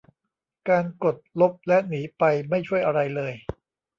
การกดลบและหนีไปไม่ช่วยอะไรเลย